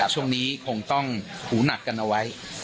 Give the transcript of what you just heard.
ช่วงนี้คงต้องหูหนักกันเอาไว้